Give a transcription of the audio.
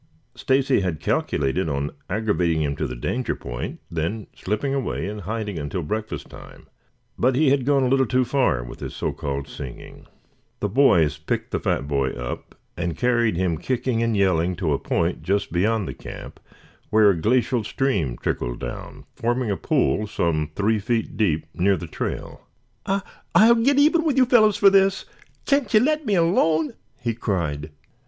Stacy had calculated on aggravating them to the danger point, then slipping away and hiding until breakfast time. But he had gone a little too far with his so called singing. The boys picked the fat boy up and carried him, kicking and yelling, to a point just beyond the camp where a glacial stream trickled down, forming in a pool some three feet deep near the trail. "I I'll get even with you fellows for this. Can't you let me alone?" he cried.